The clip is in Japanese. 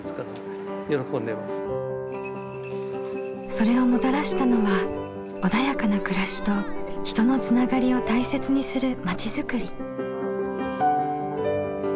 それをもたらしたのは穏やかな暮らしと人のつながりを大切にする町づくり。